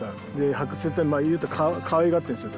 発掘って言ったらかわいがってるんですよ